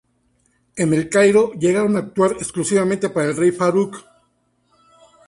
En El Cairo, llegaron a actuar exclusivamente para el Rey Farouk.